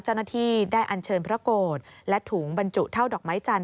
เจ้าหน้าที่ได้อันเชิญพระโกรธและถุงบรรจุเท่าดอกไม้จันท